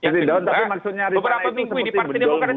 beberapa minggu di partai demokrat